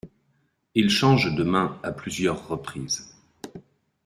Il change de main à plusieurs reprises.